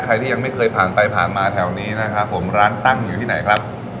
ใครที่ยังไม่เคยผ่านไปผ่านมาแถวนี้นะครับผมร้านตั้งอยู่ที่ไหนครับ